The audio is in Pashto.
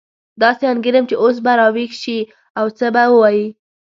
داسې انګېرم چې اوس به راویښ شي او څه به ووایي.